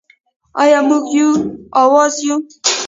آیا موږ یو اواز یو؟